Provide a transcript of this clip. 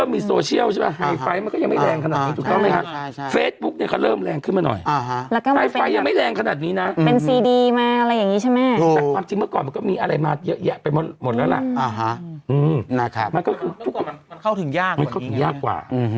มันเข้าถึงยากกว่านี้ไงมันเข้าถึงยากกว่า